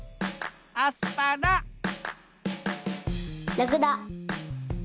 ラクダ。